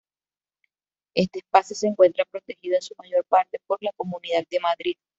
Este espacio se encuentra protegido, en su mayor parte, por la Comunidad de Madrid.